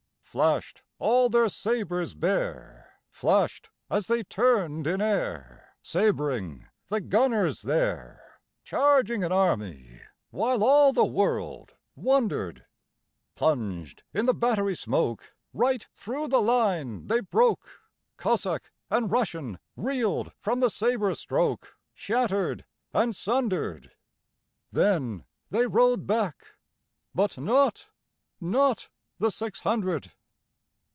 Flash'd all their sabres bare, Flash'd as they turn'd in airSabring the gunners there, Charging an army, whileAll the world wonder'd:Plunged in the battery smokeRight thro' the line they broke; Cossack and RussianReel'd from the sabre strokeShatter'd and sunder'd. Then they rode back, but notNot the six hundred.